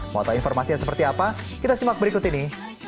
mau tahu informasinya seperti apa kita simak berikut ini